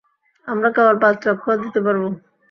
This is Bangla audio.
আমরা কেবল পাঁচ লক্ষ দিতে পারব।